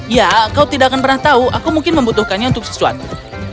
ya kau tidak akan pernah tahu aku mungkin membutuhkannya untuk sesuatu